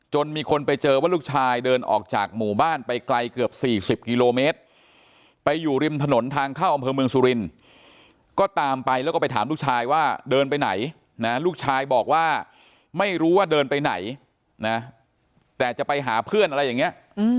มีคนไปเจอว่าลูกชายเดินออกจากหมู่บ้านไปไกลเกือบ๔๐กิโลเมตรไปอยู่ริมถนนทางเข้าอำเภอเมืองสุรินทร์ก็ตามไปแล้วก็ไปถามลูกชายว่าเดินไปไหนนะลูกชายบอกว่าไม่รู้ว่าเดินไปไหนนะแต่จะไปหาเพื่อนอะไรอย่างนี้